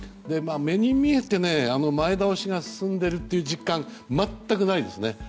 目に見えて前倒しが進んでいるという実感は全くないですね。